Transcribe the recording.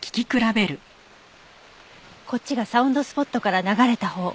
こっちがサウンドスポットから流れたほう。